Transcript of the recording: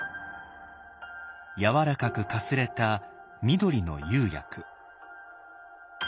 やわらかくかすれた緑の釉薬。